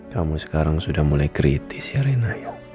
kamu sekarang sudah mulai kritis ya rena